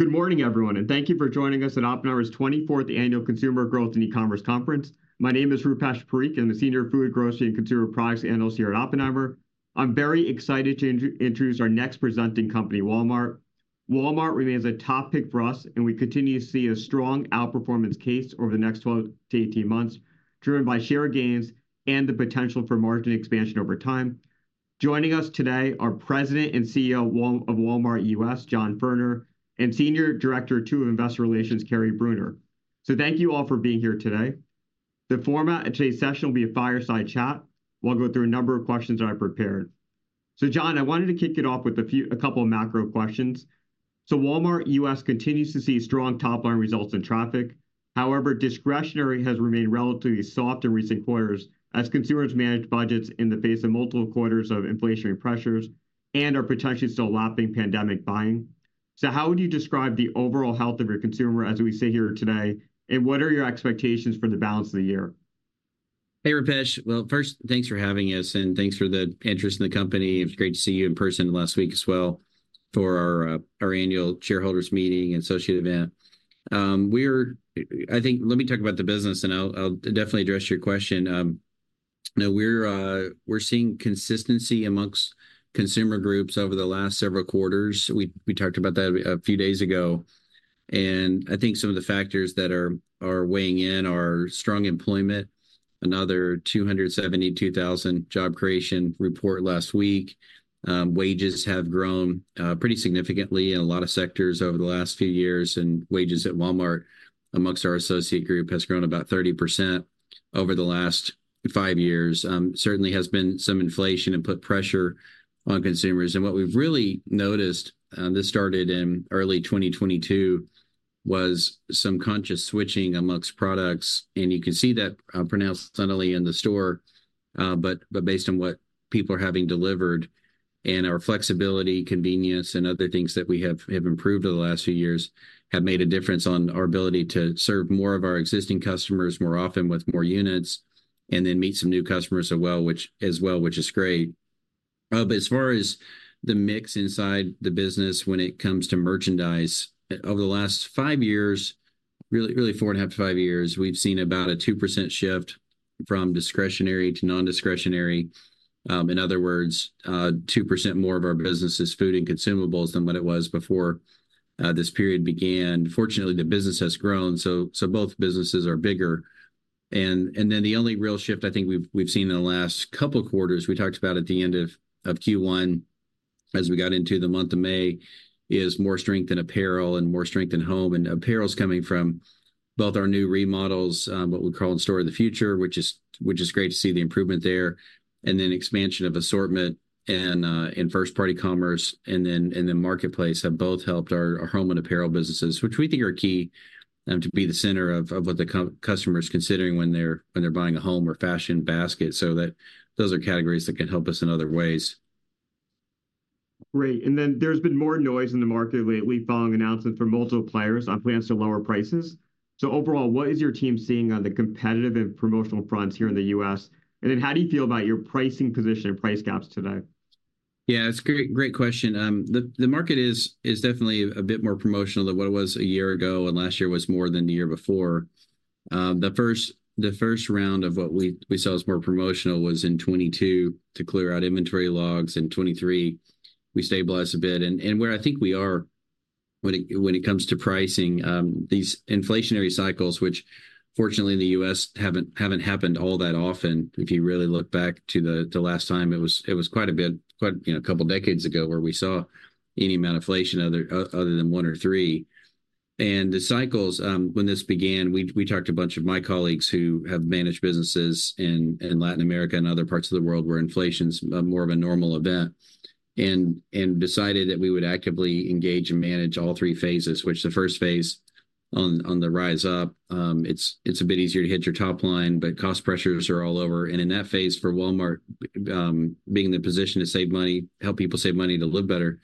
Good morning, everyone, and thank you for joining us at Oppenheimer's 24th Annual Consumer Growth and E-commerce Conference. My name is Rupesh Parikh. I'm the Senior Food, Grocery, and Consumer Products Analyst here at Oppenheimer. I'm very excited to introduce our next presenting company, Walmart. Walmart remains a top pick for us, and we continue to see a strong outperformance case over the next 12-18 months, driven by share gains and the potential for margin expansion over time. Joining us today are President and CEO of Walmart U.S., John Furner, and Senior Director of Investor Relations, Kary Brunner. So thank you all for being here today. The format of today's session will be a fireside chat. We'll go through a number of questions that I prepared. So, John, I wanted to kick it off with a few, a couple of macro questions. So Walmart U.S. Continues to see strong top-line results and traffic. However, discretionary has remained relatively soft in recent quarters as consumers manage budgets in the face of multiple quarters of inflationary pressures and are potentially still lapping pandemic buying. So how would you describe the overall health of your consumer as we sit here today, and what are your expectations for the balance of the year? Hey, Rupesh. Well, first, thanks for having us, and thanks for the interest in the company. It was great to see you in person last week as well for our annual shareholders meeting and associated event. We are, I think, let me talk about the business, and I'll definitely address your question. No, we're seeing consistency amongst consumer groups over the last several quarters. We talked about that a few days ago. I think some of the factors that are weighing in are strong employment, another 272,000 job creation report last week. Wages have grown pretty significantly in a lot of sectors over the last few years, and wages at Walmart amongst our associate group has grown about 30% over the last five years. Certainly, there has been some inflation and put pressure on consumers. What we've really noticed, and this started in early 2022, was some conscious switching amongst products. You can see that pronounced subtly in the store, but based on what people are having delivered. Our flexibility, convenience, and other things that we have improved over the last few years have made a difference on our ability to serve more of our existing customers more often with more units and then meet some new customers as well, which is great. But as far as the mix inside the business when it comes to merchandise, over the last five years, really, really four and a half to five years, we've seen about a 2% shift from discretionary to non-discretionary. In other words, 2% more of our business is food and consumables than what it was before this period began. Fortunately, the business has grown. So both businesses are bigger. And then the only real shift I think we've seen in the last couple of quarters we talked about at the end of Q1 as we got into the month of May is more strength in apparel and more strength in home. And apparel is coming from both our new remodels, what we're calling Store of the Future, which is great to see the improvement there, and then expansion of assortment and first-party commerce and then marketplace have both helped our home and apparel businesses, which we think are key to be the center of what the customer is considering when they're buying a home or fashion basket. So those are categories that can help us in other ways. Great. Then there's been more noise in the market lately following announcements from multiple players on plans to lower prices. Overall, what is your team seeing on the competitive and promotional fronts here in the U.S.? And then how do you feel about your pricing position and price gaps today? Yeah, that's a great question. The market is definitely a bit more promotional than what it was a year ago, and last year was more than the year before. The first round of what we saw as more promotional was in 2022 to clear out inventory logs. In 2023, we stabilized a bit. And where I think we are when it comes to pricing, these inflationary cycles, which fortunately in the U.S. haven't happened all that often. If you really look back to the last time, it was quite a bit, quite a couple of decades ago where we saw any amount of inflation other than one or three. The cycles, when this began, we talked to a bunch of my colleagues who have managed businesses in Latin America and other parts of the world where inflation is more of a normal event and decided that we would actively engage and manage all three phases, which, the first phase on the rise up, it's a bit easier to hit your top line, but cost pressures are all over. In that phase for Walmart, being in the position to save money, help people save money to live better,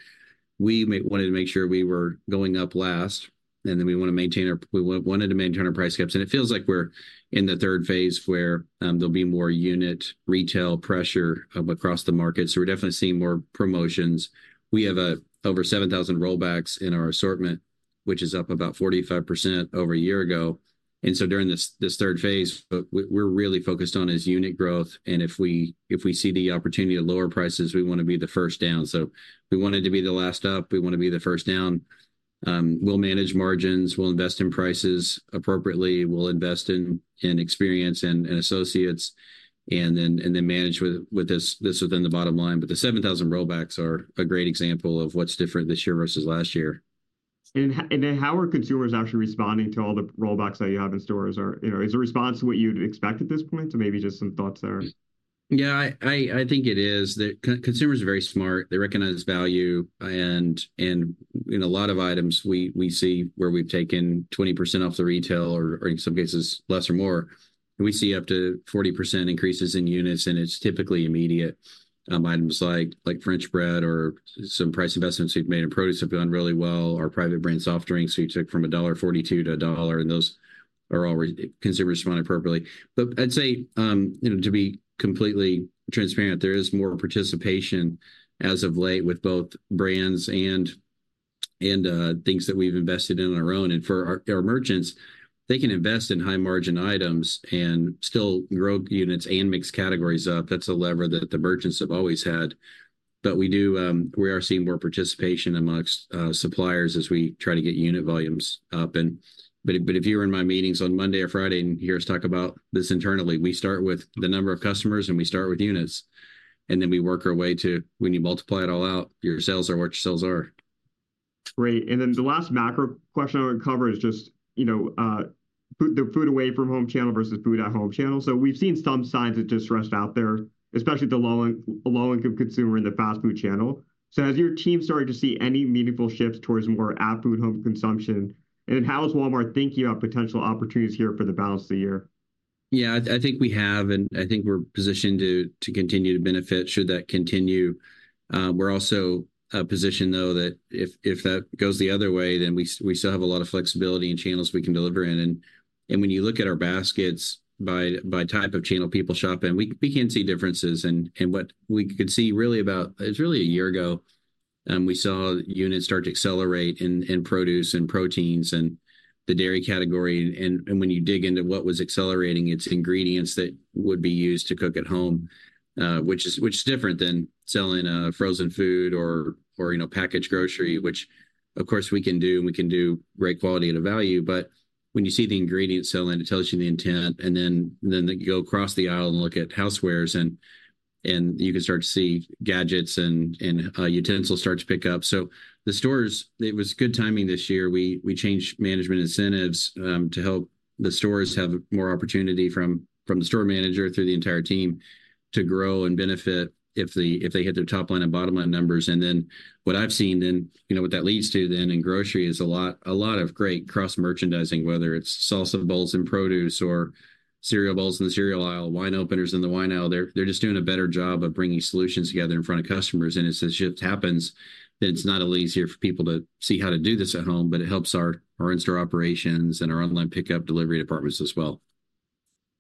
we wanted to make sure we were going up last. Then we want to maintain our, we wanted to maintain our price gaps. It feels like we're in the third phase where there'll be more unit retail pressure across the market. So we're definitely seeing more promotions. We have over 7,000 rollbacks in our assortment, which is up about 45% over a year ago. And so during this third phase, what we're really focused on is unit growth. And if we see the opportunity to lower prices, we want to be the first down. So we wanted to be the last up. We want to be the first down. We'll manage margins. We'll invest in prices appropriately. We'll invest in experience and associates and then manage with this within the bottom line. But the 7,000 rollbacks are a great example of what's different this year versus last year. Then how are consumers actually responding to all the rollbacks that you have in stores? Is it a response to what you'd expect at this point? Maybe just some thoughts there. Yeah, I think it is. Consumers are very smart. They recognize value. In a lot of items, we see where we've taken 20% off the retail or in some cases less or more. We see up to 40% increases in units, and it's typically immediate. Items like French bread or some price investments we've made in produce have gone really well. Our private brand soft drinks we took from $1.42-$1.00, and those are all consumers responded appropriately. But I'd say, to be completely transparent, there is more participation as of late with both brands and things that we've invested in our own. For our merchants, they can invest in high-margin items and still grow units and mix categories up. That's a lever that the merchants have always had. But we are seeing more participation amongst suppliers as we try to get unit volumes up. But if you're in my meetings on Monday or Friday and hear us talk about this internally, we start with the number of customers and we start with units. Then we work our way to when you multiply it all out, your sales are what your sales are. Great. And then the last macro question I want to cover is just the food away from home channel versus food at home channel. So we've seen some signs of distress out there, especially the low-income consumer in the fast food channel. So has your team started to see any meaningful shifts towards more food at home consumption? And then how is Walmart thinking about potential opportunities here for the balance of the year? Yeah, I think we have, and I think we're positioned to continue to benefit should that continue. We're also positioned, though, that if that goes the other way, then we still have a lot of flexibility and channels we can deliver in. And when you look at our baskets by type of channel people shop in, we can see differences. And what we could see really about, it was really a year ago, we saw units start to accelerate in produce and proteins and the dairy category. And when you dig into what was accelerating, it's ingredients that would be used to cook at home, which is different than selling frozen food or packaged grocery, which, of course, we can do, and we can do great quality at a value. But when you see the ingredients selling, it tells you the intent. And then you go across the aisle and look at housewares, and you can start to see gadgets and utensils start to pick up. So the stores, it was good timing this year. We changed management incentives to help the stores have more opportunity from the store manager through the entire team to grow and benefit if they hit their top line and bottom line numbers. And then what I've seen, then what that leads to then in grocery is a lot of great cross-merchandising, whether it's salsa bowls in produce or cereal bowls in the cereal aisle, wine openers in the wine aisle. They're just doing a better job of bringing solutions together in front of customers. As the shift happens, then it's not only easier for people to see how to do this at home, but it helps our in-store operations and our online pickup delivery departments as well.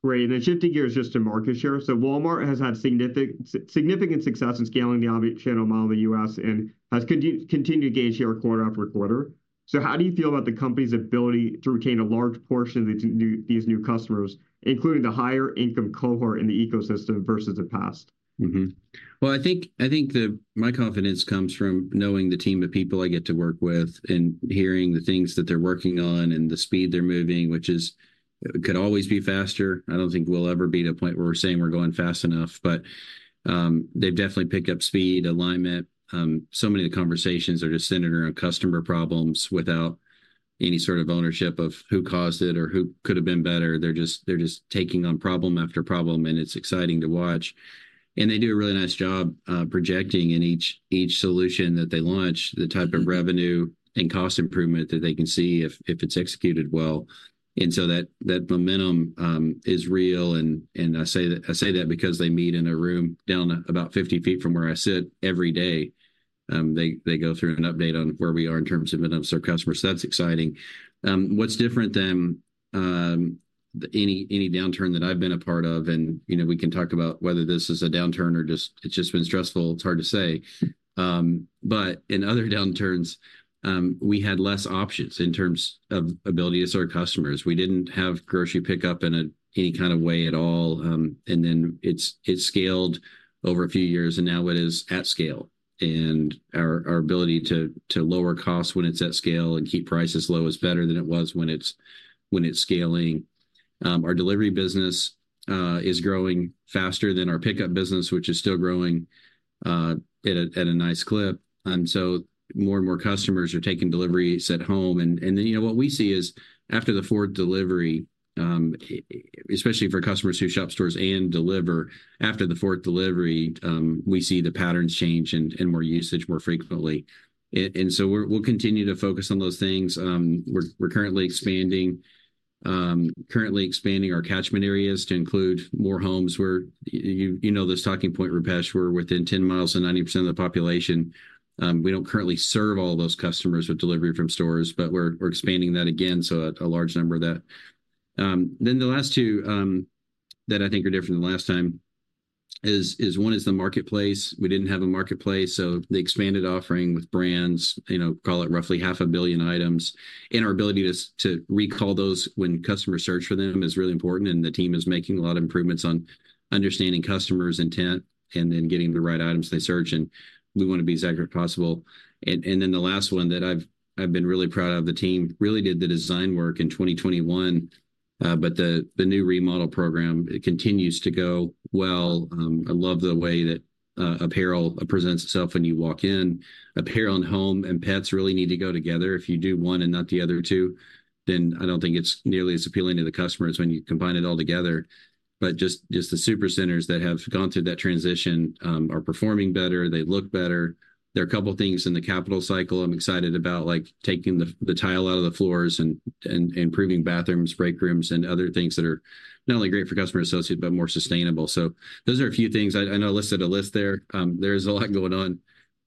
Great. And then shifting gears just to market share. So Walmart has had significant success in scaling themnichannel model in the U.S. and has continued gains here quarter after quarter. So how do you feel about the company's ability to retain a large portion of these new customers, including the higher-income cohort in the ecosystem versus the past? Well, I think my confidence comes from knowing the team of people I get to work with and hearing the things that they're working on and the speed they're moving, which could always be faster. I don't think we'll ever be to a point where we're saying we're going fast enough. But they've definitely picked up speed, alignment. So many of the conversations are just centered around customer problems without any sort of ownership of who caused it or who could have been better. They're just taking on problem after problem, and it's exciting to watch. And they do a really nice job projecting in each solution that they launch the type of revenue and cost improvement that they can see if it's executed well. And so that momentum is real. I say that because they meet in a room down about 50 feet from where I sit every day. They go through an update on where we are in terms of metrics or customers. That's exciting. What's different than any downturn that I've been a part of? And we can talk about whether this is a downturn or just it's just been stressful. It's hard to say. But in other downturns, we had less options in terms of ability to serve customers. We didn't have grocery pickup in any kind of way at all. And then it scaled over a few years, and now it is at scale. And our ability to lower costs when it's at scale and keep prices low is better than it was when it's scaling. Our delivery business is growing faster than our pickup business, which is still growing at a nice clip. And so more and more customers are taking deliveries at home. And then what we see is after the fourth delivery, especially for customers who shop stores and deliver, after the fourth delivery, we see the patterns change and more usage more frequently. And so we'll continue to focus on those things. We're currently expanding our catchment areas to include more homes. You know this talking point, Rupesh. We're within 10 miles of 90% of the population. We don't currently serve all those customers with delivery from stores, but we're expanding that again. So a large number of that. Then the last two that I think are different than last time is one is the marketplace. We didn't have a marketplace. So the expanded offering with brands, call it roughly 500 million items. And our ability to recall those when customers search for them is really important. The team is making a lot of improvements on understanding customers' intent and then getting the right items they search. We want to be as accurate as possible. Then the last one that I've been really proud of, the team really did the design work in 2021, but the new remodel program continues to go well. I love the way that apparel presents itself when you walk in. Apparel and home and pets really need to go together. If you do one and not the other two, then I don't think it's nearly as appealing to the customers when you combine it all together. But just the super centers that have gone through that transition are performing better. They look better. There are a couple of things in the capital cycle I'm excited about, like taking the tile out of the floors and improving bathrooms, break rooms, and other things that are not only great for customer associates, but more sustainable. Those are a few things. I know I listed a list there. There is a lot going on,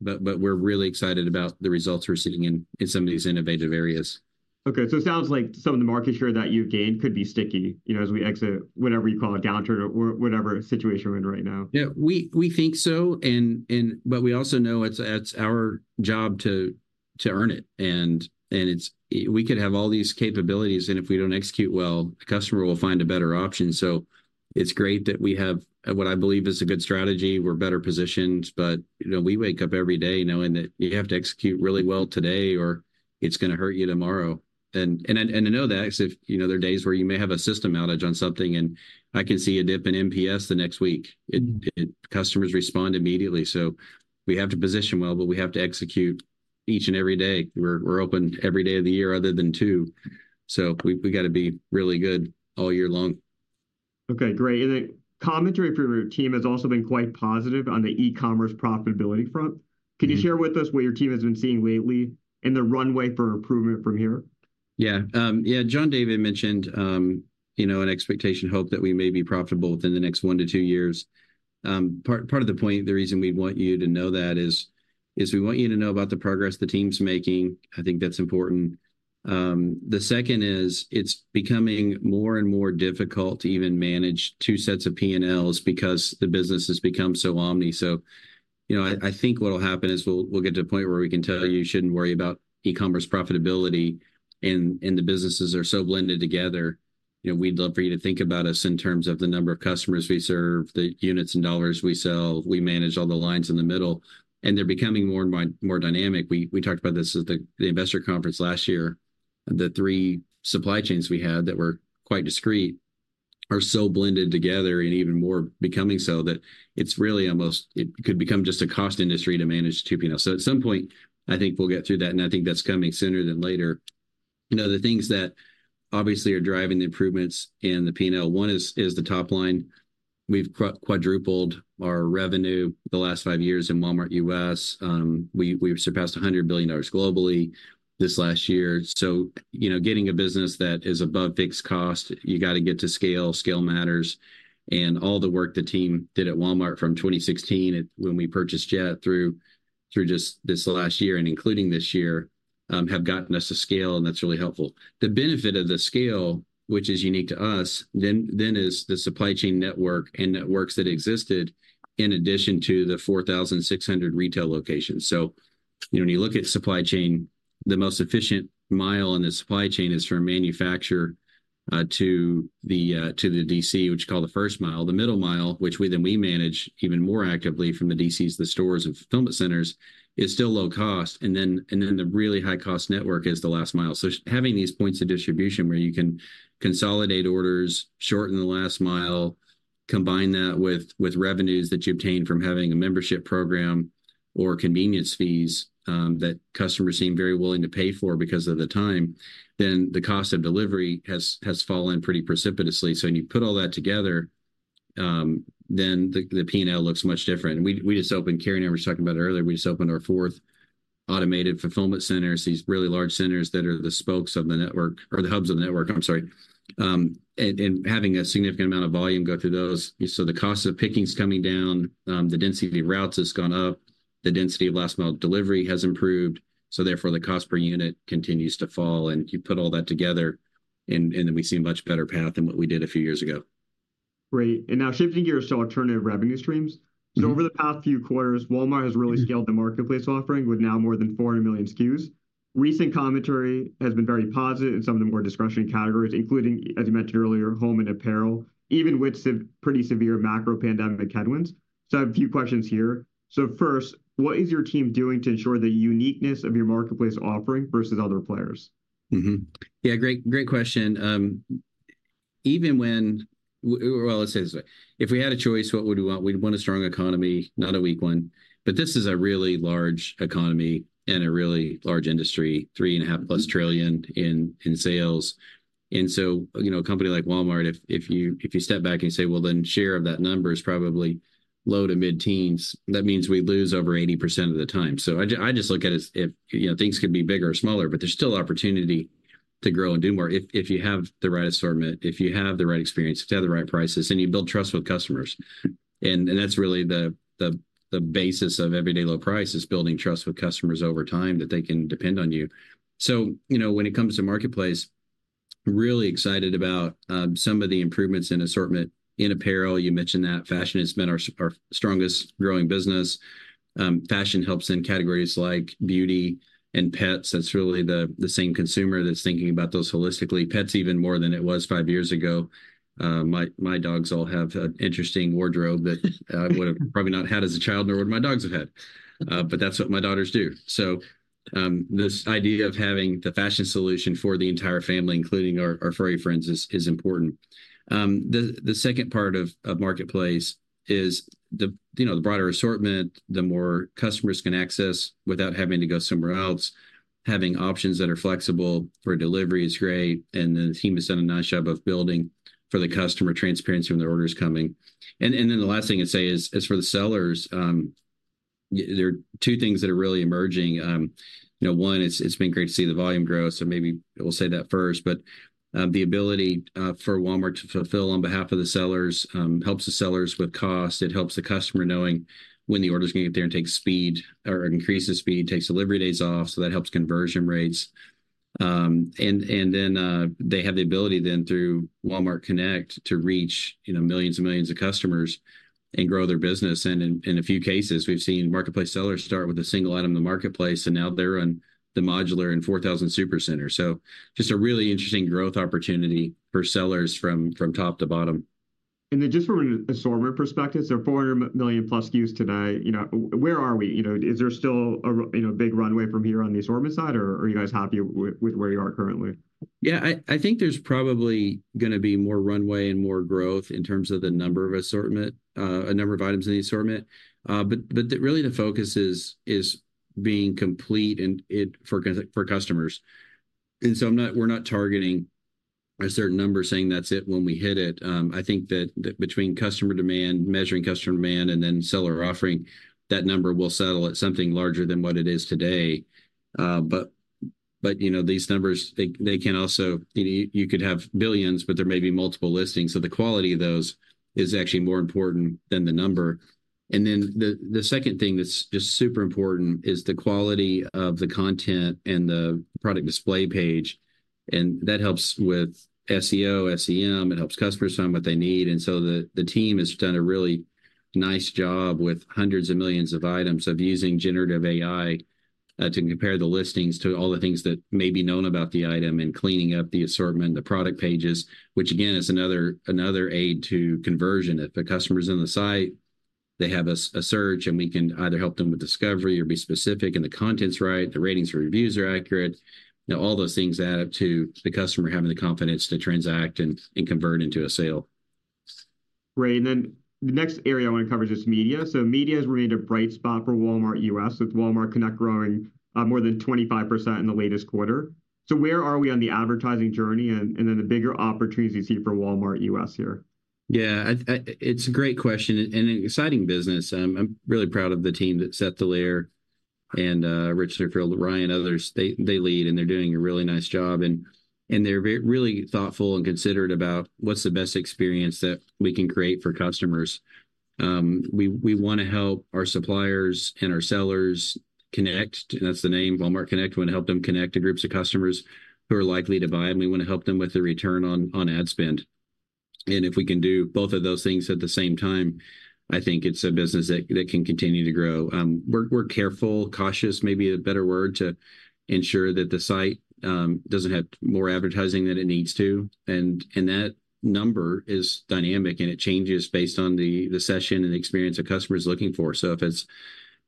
but we're really excited about the results we're seeing in some of these innovative areas. Okay. So it sounds like some of the market share that you've gained could be sticky as we exit whatever you call a downturn or whatever situation we're in right now. Yeah, we think so. But we also know it's our job to earn it. And we could have all these capabilities, and if we don't execute well, the customer will find a better option. So it's great that we have what I believe is a good strategy. We're better positioned, but we wake up every day knowing that you have to execute really well today or it's going to hurt you tomorrow. And I know that because there are days where you may have a system outage on something, and I can see a dip in NPS the next week. Customers respond immediately. So we have to position well, but we have to execute each and every day. We're open every day of the year other than two. So we got to be really good all year long. Okay. Great. The commentary from your team has also been quite positive on the e-commerce profitability front. Can you share with us what your team has been seeing lately and the runway for improvement from here? Yeah. Yeah, John David mentioned an expectation, hope that we may be profitable within the next 1-2 years. Part of the point, the reason we want you to know that is we want you to know about the progress the team's making. I think that's important. The second is it's becoming more and more difficult to even manage two sets of P&Ls because the business has become so omni. So I think what'll happen is we'll get to a point where we can tell you you shouldn't worry about e-commerce profitability and the businesses are so blended together. We'd love for you to think about us in terms of the number of customers we serve, the units and dollars we sell. We manage all the lines in the middle. And they're becoming more and more dynamic. We talked about this at the investor conference last year. The three supply chains we had that were quite discrete are so blended together and even more becoming so that it's really almost it could become just a cost industry to manage two P&Ls. So at some point, I think we'll get through that. And I think that's coming sooner than later. The things that obviously are driving the improvements in the P&L, one is the top line. We've quadrupled our revenue the last five years in Walmart U.S. We've surpassed $100 billion globally this last year. So getting a business that is above fixed cost, you got to get to scale. Scale matters. And all the work the team did at Walmart from 2016 when we purchased Jet through just this last year and including this year have gotten us to scale, and that's really helpful. The benefit of the scale, which is unique to us, then is the supply chain network and networks that existed in addition to the 4,600 retail locations. So when you look at supply chain, the most efficient mile in the supply chain is from manufacturer to the DC, which we call the first mile. The middle mile, which then we manage even more actively from the DCs, the stores, and fulfillment centers, is still low cost. And then the really high-cost network is the last mile. So having these points of distribution where you can consolidate orders, shorten the last mile, combine that with revenues that you obtain from having a membership program or convenience fees that customers seem very willing to pay for because of the time, then the cost of delivery has fallen pretty precipitously. So when you put all that together, then the P&L looks much different. We just opened. Kary and I were just talking about it earlier. We just opened our fourth automated fulfillment center, so these really large centers that are the spokes of the network or the hubs of the network, I'm sorry. And having a significant amount of volume go through those. So the cost of picking is coming down. The density of routes has gone up. The density of last-mile delivery has improved. So therefore, the cost per unit continues to fall. And you put all that together, and then we see a much better path than what we did a few years ago. Great. And now shifting gears to alternative revenue streams. So over the past few quarters, Walmart has really scaled the marketplace offering with now more than 400 million SKUs. Recent commentary has been very positive in some of the more discretionary categories, including, as you mentioned earlier, home and apparel, even with pretty severe macro pandemic headwinds. So I have a few questions here. So first, what is your team doing to ensure the uniqueness of your marketplace offering versus other players? Yeah, great question. Well, let's say this way. If we had a choice, what would we want? We'd want a strong economy, not a weak one. But this is a really large economy and a really large industry, $3.5+ trillion in sales. And so a company like Walmart, if you step back and you say, "Well, then share of that number is probably low to mid-teens," that means we lose over 80% of the time. So I just look at it as things could be bigger or smaller, but there's still opportunity to grow and do more if you have the right assortment, if you have the right experience, if you have the right prices, and you build trust with customers. And that's really the basis of everyday low price is building trust with customers over time that they can depend on you. So when it comes to marketplace, really excited about some of the improvements in assortment in apparel. You mentioned that fashion has been our strongest growing business. Fashion helps in categories like beauty and pets. That's really the same consumer that's thinking about those holistically. Pets even more than it was five years ago. My dogs all have an interesting wardrobe that I would have probably not had as a child nor would my dogs have had. But that's what my daughters do. So this idea of having the fashion solution for the entire family, including our furry friends, is important. The second part of marketplace is the broader assortment, the more customers can access without having to go somewhere else. Having options that are flexible for delivery is great. And then the team has done a nice job of building for the customer transparency when their order is coming. And then the last thing I'd say is for the sellers, there are two things that are really emerging. One, it's been great to see the volume grow, so maybe we'll say that first. But the ability for Walmart to fulfill on behalf of the sellers helps the sellers with cost. It helps the customer knowing when the order is going to get there and takes speed or increases speed, takes delivery days off. So that helps conversion rates. And then they have the ability then through Walmart Connect to reach millions and millions of customers and grow their business. And in a few cases, we've seen marketplace sellers start with a single item in the marketplace, and now they're on the modular and 4,000 super centers. So just a really interesting growth opportunity for sellers from top to bottom. And then just from an assortment perspective, so 400 million+ SKUs today, where are we? Is there still a big runway from here on the assortment side, or are you guys happy with where you are currently? Yeah, I think there's probably going to be more runway and more growth in terms of the number of assortment, a number of items in the assortment. But really, the focus is being complete for customers. And so we're not targeting a certain number saying that's it when we hit it. I think that between customer demand, measuring customer demand, and then seller offering, that number will settle at something larger than what it is today. But these numbers, they can also you could have billions, but there may be multiple listings. So the quality of those is actually more important than the number. And then the second thing that's just super important is the quality of the content and the product display page. And that helps with SEO, SEM. It helps customers find what they need. So the team has done a really nice job with hundreds of millions of items of using Generative AI to compare the listings to all the things that may be known about the item and cleaning up the assortment, the product pages, which again is another aid to conversion. If a customer is on the site, they have a search, and we can either help them with discovery or be specific. The content's right. The ratings for reviews are accurate. All those things add up to the customer having the confidence to transact and convert into a sale. Great. And then the next area I want to cover is just media. So media has remained a bright spot for Walmart U.S. with Walmart Connect growing more than 25% in the latest quarter. So where are we on the advertising journey and then the bigger opportunities you see for Walmart U.S. here? Yeah, it's a great question and an exciting business. I'm really proud of the team that Seth Dallaire and Rich Lehrfeld, Ryan, others. They lead, and they're doing a really nice job. They're really thoughtful and considerate about what's the best experience that we can create for customers. We want to help our suppliers and our sellers connect. That's the name, Walmart Connect. We want to help them connect to groups of customers who are likely to buy. We want to help them with the return on ad spend. If we can do both of those things at the same time, I think it's a business that can continue to grow. We're careful, cautious, maybe a better word, to ensure that the site doesn't have more advertising than it needs to. That number is dynamic, and it changes based on the session and the experience a customer is looking for. So if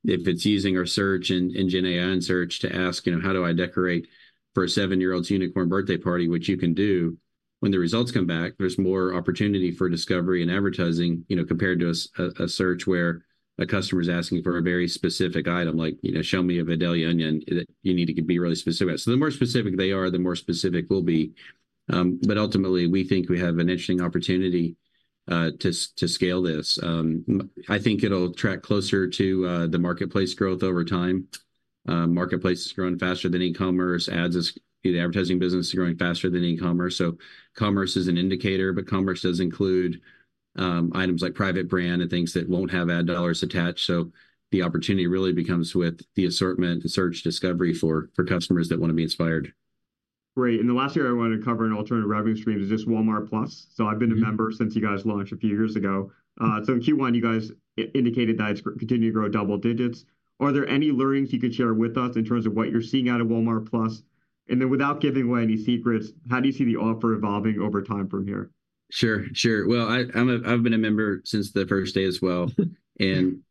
it's using our search and Gen AI and search to ask, "How do I decorate for a seven-year-old's unicorn birthday party?" which you can do, when the results come back, there's more opportunity for discovery and advertising compared to a search where a customer is asking for a very specific item, like, "Show me a Vidalia onion." You need to be really specific. So the more specific they are, the more specific we'll be. But ultimately, we think we have an interesting opportunity to scale this. I think it'll track closer to the marketplace growth over time. Marketplace is growing faster than e-commerce. Ads is the advertising business is growing faster than e-commerce. So commerce is an indicator, but commerce does include items like private brand and things that won't have ad dollars attached. So the opportunity really becomes with the assortment, the search, discovery for customers that want to be inspired. Great. And the last area I wanted to cover in alternative revenue streams is just Walmart+. So I've been a member since you guys launched a few years ago. So in Q1, you guys indicated that it's continued to grow double digits. Are there any learnings you could share with us in terms of what you're seeing out of Walmart+? And then without giving away any secrets, how do you see the offer evolving over time from here? Sure. Sure. Well, I've been a member since the first day as well. I'm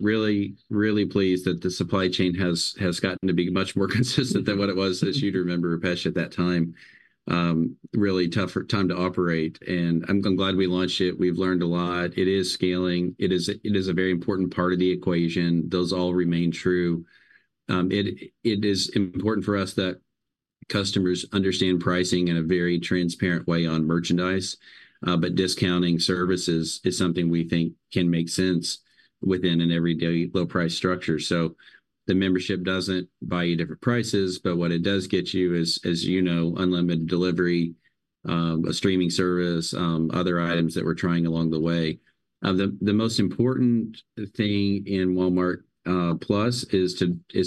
really, really pleased that the supply chain has gotten to be much more consistent than what it was as you'd remember, Pesh, at that time. Really tough time to operate. I'm glad we launched it. We've learned a lot. It is scaling. It is a very important part of the equation. Those all remain true. It is important for us that customers understand pricing in a very transparent way on merchandise. Discounting services is something we think can make sense within an everyday low-price structure. The membership doesn't buy you different prices, but what it does get you is, as you know, unlimited delivery, a streaming service, other items that we're trying along the way. The most important thing in Walmart + is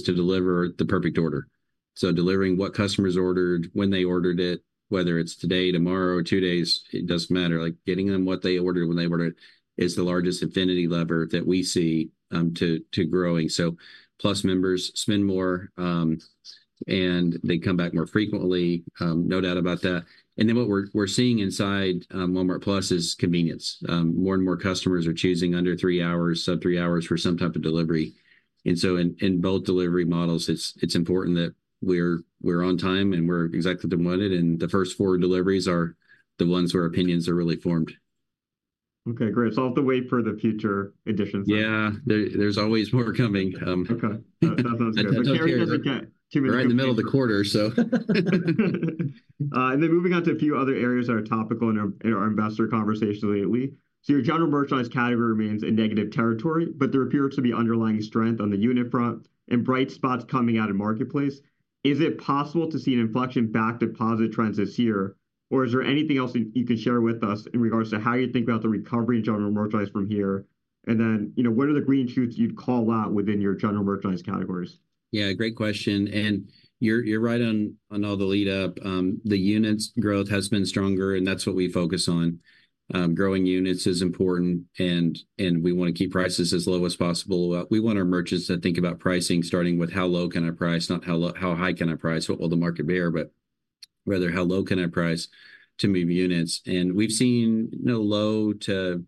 to deliver the perfect order. So delivering what customers ordered, when they ordered it, whether it's today, tomorrow, two days, it doesn't matter. Getting them what they ordered when they ordered it is the largest affinity lever that we see to growing. So Plus members spend more, and they come back more frequently. No doubt about that. And then what we're seeing inside Walmart+ is convenience. More and more customers are choosing under three hours, sub-three hours for some type of delivery. And so in both delivery models, it's important that we're on time and we're exactly what we wanted. And the first four deliveries are the ones where opinions are really formed. Okay. Great. I'll have to wait for the future editions. Yeah. There's always more coming. Okay. That sounds good. But Carrie doesn't care. We're in the middle of the quarter, so. And then moving on to a few other areas that are topical in our investor conversation lately. So your general merchandise category remains in negative territory, but there appears to be underlying strength on the unit front and bright spots coming out of marketplace. Is it possible to see an inflection back to positive trends this year, or is there anything else that you can share with us in regards to how you think about the recovery in general merchandise from here? And then what are the green shoots you'd call out within your general merchandise categories? Yeah, great question. And you're right on all the lead-up. The units growth has been stronger, and that's what we focus on. Growing units is important, and we want to keep prices as low as possible. We want our merchants to think about pricing, starting with how low can I price, not how high can I price, what will the market bear, but rather how low can I price to move units. And we've seen low to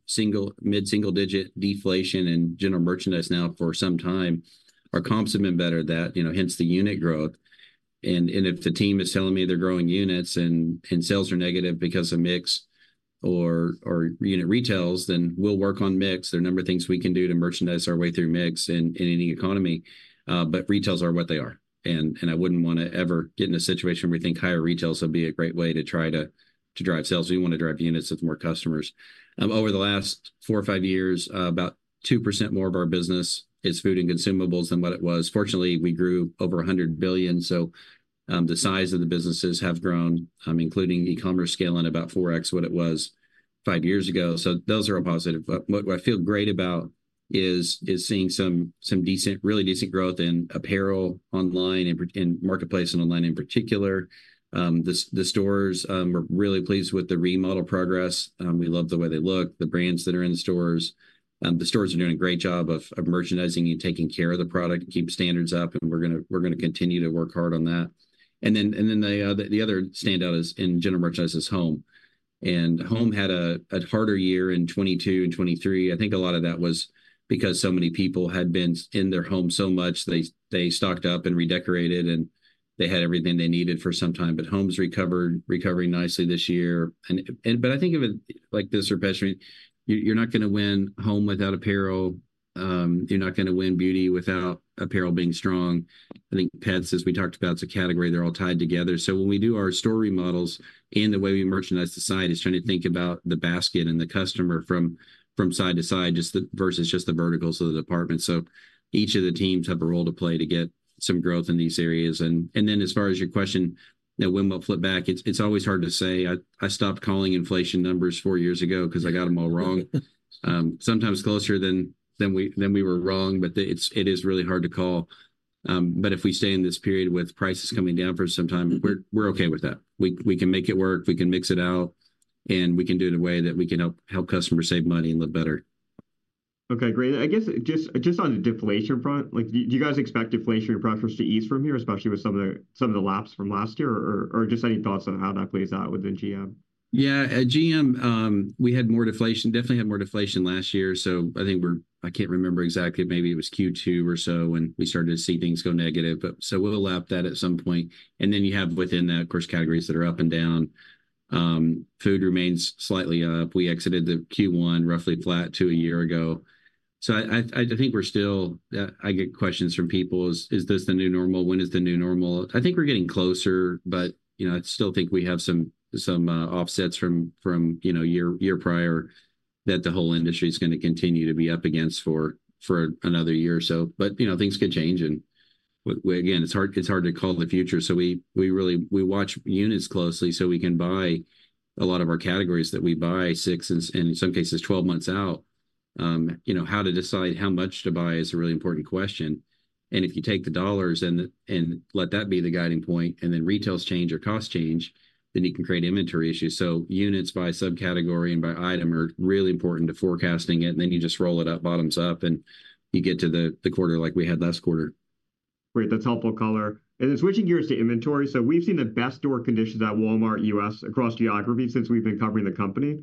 mid-single-digit deflation in general merchandise now for some time. Our comps have been better at that, hence the unit growth. And if the team is telling me they're growing units and sales are negative because of mix or unit retails, then we'll work on mix. There are a number of things we can do to merchandise our way through mix in any economy. But retails are what they are. I wouldn't want to ever get in a situation where we think higher retails would be a great way to try to drive sales. We want to drive units with more customers. Over the last four or five years, about 2% more of our business is food and consumables than what it was. Fortunately, we grew over $100 billion. The size of the businesses have grown, including e-commerce scaling about 4x what it was five years ago. Those are a positive. What I feel great about is seeing some really decent growth in apparel online and marketplace and online in particular. The stores were really pleased with the remodel progress. We love the way they look, the brands that are in the stores. The stores are doing a great job of merchandising and taking care of the product and keeping standards up. We're going to continue to work hard on that. Then the other standout in general merchandise is home. Home had a harder year in 2022 and 2023. I think a lot of that was because so many people had been in their home so much, they stocked up and redecorated, and they had everything they needed for some time. Home's recovering nicely this year. I think of it like this, Rupesh. You're not going to win home without apparel. You're not going to win beauty without apparel being strong. I think pets, as we talked about, it's a category. They're all tied together. So when we do our store remodels and the way we merchandise the site, it's trying to think about the basket and the customer from side to side versus just the verticals of the department. So each of the teams have a role to play to get some growth in these areas. And then as far as your question, when we'll flip back, it's always hard to say. I stopped calling inflation numbers four years ago because I got them all wrong. Sometimes closer than we were wrong, but it is really hard to call. But if we stay in this period with prices coming down for some time, we're okay with that. We can make it work. We can mix it out. And we can do it in a way that we can help customers save money and live better. Okay. Great. I guess just on the deflation front, do you guys expect deflation in your practice to ease from here, especially with some of the laps from last year? Or just any thoughts on how that plays out within GM? Yeah. At GM, we had more deflation. Definitely had more deflation last year. So I think we're—I can't remember exactly. Maybe it was Q2 or so when we started to see things go negative. So we'll lap that at some point. And then you have within that, of course, categories that are up and down. Food remains slightly up. We exited the Q1 roughly flat to a year ago. So I think we're still—I get questions from people, "Is this the new normal? When is the new normal?" I think we're getting closer, but I still think we have some offsets from year prior that the whole industry is going to continue to be up against for another year or so. But things could change. And again, it's hard to call the future. So we watch units closely so we can buy a lot of our categories that we buy six and in some cases 12 months out. How to decide how much to buy is a really important question. And if you take the dollars and let that be the guiding point, and then retails change or cost change, then you can create inventory issues. So units by subcategory and by item are really important to forecasting it. And then you just roll it up, bottoms up, and you get to the quarter like we had last quarter. Great. That's helpful color. And then switching gears to inventory. So we've seen the best store conditions at Walmart U.S. across geography since we've been covering the company.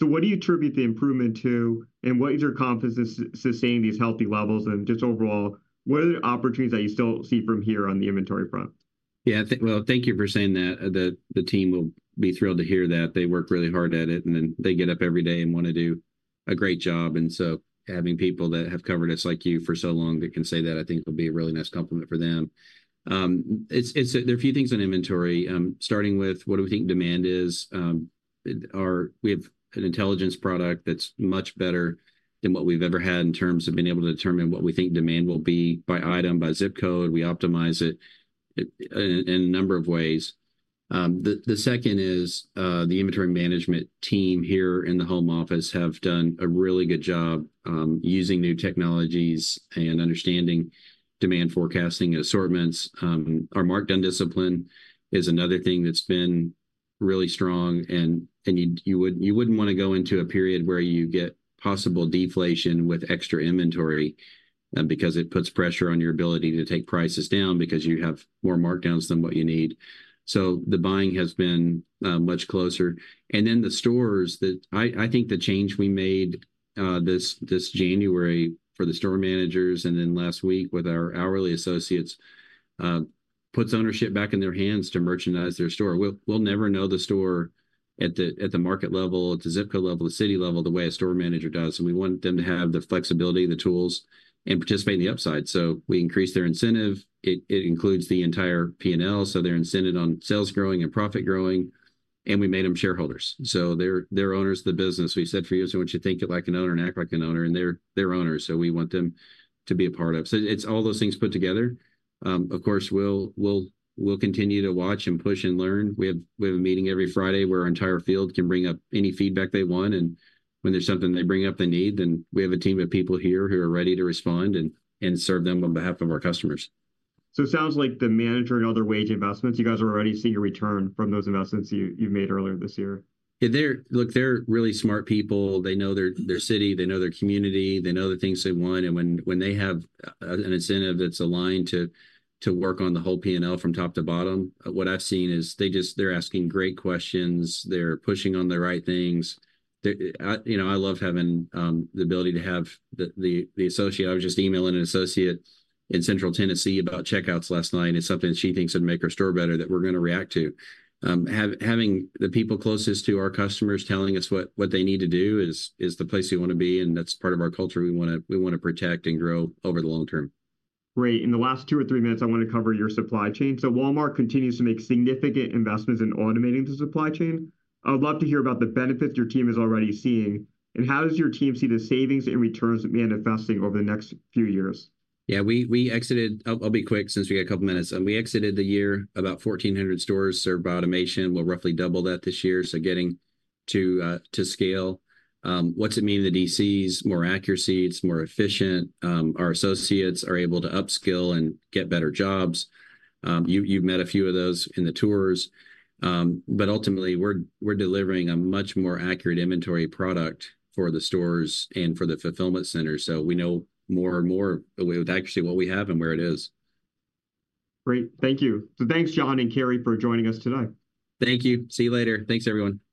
So what do you attribute the improvement to? And what is your confidence in sustaining these healthy levels? And just overall, what are the opportunities that you still see from here on the inventory front? Yeah. Well, thank you for saying that. The team will be thrilled to hear that. They work really hard at it. And then they get up every day and want to do a great job. And so having people that have covered us like you for so long that can say that, I think it'll be a really nice compliment for them. There are a few things on inventory, starting with what do we think demand is. We have an intelligence product that's much better than what we've ever had in terms of being able to determine what we think demand will be by item, by zip code. We optimize it in a number of ways. The second is the inventory management team here in the home office have done a really good job using new technologies and understanding demand forecasting assortments. Our markdown discipline is another thing that's been really strong. You wouldn't want to go into a period where you get possible deflation with extra inventory because it puts pressure on your ability to take prices down because you have more markdowns than what you need. So the buying has been much closer. Then the stores, I think the change we made this January for the store managers and then last week with our hourly associates puts ownership back in their hands to merchandise their store. We'll never know the store at the market level, at the zip code level, the city level, the way a store manager does. We want them to have the flexibility, the tools, and participate in the upside. So we increased their incentive. It includes the entire P&L. So they're incented on sales growing and profit growing. We made them shareholders. So they're owners of the business. We said for years, "We want you to think like an owner and act like an owner." And they're owners. So we want them to be a part of. So it's all those things put together. Of course, we'll continue to watch and push and learn. We have a meeting every Friday where our entire field can bring up any feedback they want. And when there's something they bring up they need, then we have a team of people here who are ready to respond and serve them on behalf of our customers. It sounds like the manager and other wage investments, you guys are already seeing a return from those investments you've made earlier this year. Look, they're really smart people. They know their city. They know their community. They know the things they want. And when they have an incentive that's aligned to work on the whole P&L from top to bottom, what I've seen is they're asking great questions. They're pushing on the right things. I love having the ability to have the associate. I was just emailing an associate in Central Tennessee about checkouts last night. It's something that she thinks would make our store better that we're going to react to. Having the people closest to our customers telling us what they need to do is the place we want to be. And that's part of our culture. We want to protect and grow over the long term. Great. In the last two or three minutes, I want to cover your supply chain. So Walmart continues to make significant investments in automating the supply chain. I would love to hear about the benefits your team is already seeing. And how does your team see the savings and returns manifesting over the next few years? Yeah. I'll be quick since we got a couple of minutes. We exited the year about 1,400 stores served by automation. We'll roughly double that this year. So getting to scale. What's it mean in the DCs? More accuracy. It's more efficient. Our associates are able to upskill and get better jobs. You've met a few of those in the tours. But ultimately, we're delivering a much more accurate inventory product for the stores and for the fulfillment centers. So we know more and more with accuracy what we have and where it is. Great. Thank you. So thanks, John and Kary, for joining us today. Thank you. See you later. Thanks, everyone.